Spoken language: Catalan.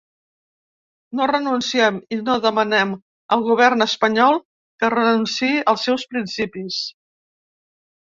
No renunciem i no demanem al govern espanyol que renunciï als seus principis.